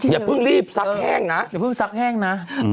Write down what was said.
อย่าเพิ่งรีบซักแห้งนะอย่าเพิ่งซักแห้งนะ